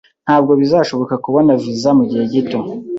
Ntabwo bizashoboka kubona viza mugihe gito.